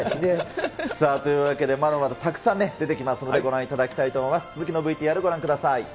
というわけで、まだまだたくさん出てきますのでご覧いただきたいと思います。